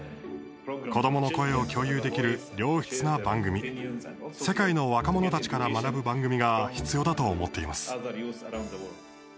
子どもの声を共有できる良質な番組世界の若者たちから学ぶ番組が必要だと思っています。